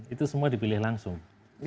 itu semua dipilih langsung